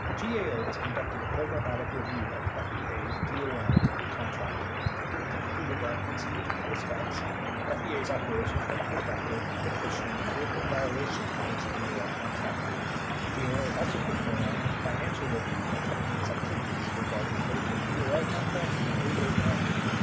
54 GAO has conducted a programmatic review of FEA's DOL con tract. It concluded that, in significant respects, FEA's operations were ineffective, deficient, or in violation of its DOL contract. GAO also performed a financial review of FEA's activities regarding both the DOL contract and the OEO grant.